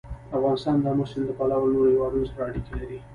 افغانستان د آمو سیند له پلوه له نورو هېوادونو سره اړیکې لري.